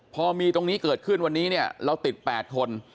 พอมีตรงนี้เกิดขึ้นวันนี้เนี่ยเราติด๘คน